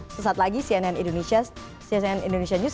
sesaat lagi cnn indonesia